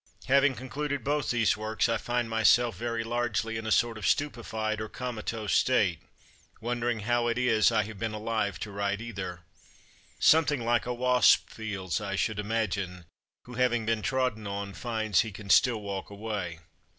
Having concluded both these VI Preface to the American Edition works, I find myself very largely in a sort of stupefied or comatose state, wondering how it is I have been alive to write either. Something like a wasp feels, I should im agine, who, having been trodden on, finds he can still walk away.